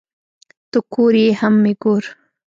ته کور یې هم مې گور